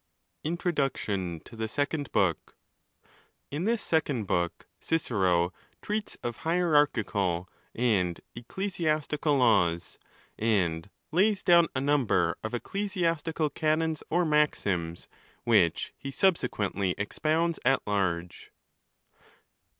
INTRODUCTION TO THE SECOND BOOK. In this Second Book Cicero treats of hierarchical and ecclesiastical laws, and lays down a number of ecclesiastical canons or maxims, which he subsequently expounds at large.